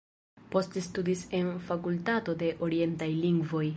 Poste studis en fakultato de orientaj lingvoj.